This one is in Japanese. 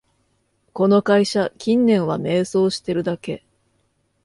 この会社、近年は迷走してるだけ